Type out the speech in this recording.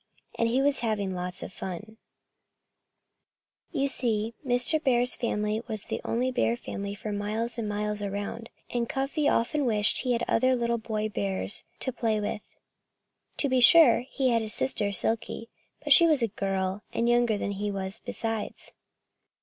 And he was having lots of fun. [Illustration: Cuffy Received a Slap on His Nose] You see, Mr. Bear's family was the only bear family for miles and miles around. And Cuffy often wished he had other little boy bears to play with. To be sure, he had his sister, Silkie. But she was a girl, and younger than he was, besides.